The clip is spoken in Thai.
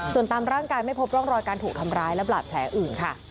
ส่วนตามร่างกายไม่พบร่องรอยการถูกทำร้ายและบาดแผลอื่นค่ะ